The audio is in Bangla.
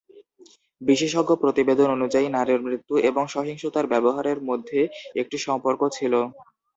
বিশেষজ্ঞ প্রতিবেদন অনুযায়ী, নারীর মৃত্যু এবং সহিংসতার ব্যবহারের মধ্যে একটি সম্পর্ক ছিল।